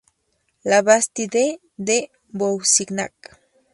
La Bastide-de-Bousignac